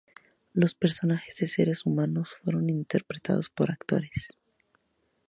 Los personajes de seres humanos, fueron interpretados por actores.